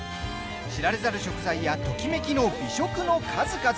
知られざる食材やときめきの美食の数々。